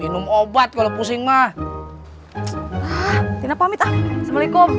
seribu sembilan ratus sembilan puluh sembilan philip islamnya lagi membolehkan cita cita workers muzica